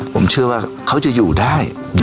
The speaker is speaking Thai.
ผมเชื่อว่าเขาจะอยู่ได้